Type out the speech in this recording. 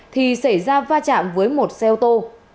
thì xảy ra va chạm với một xe ô tô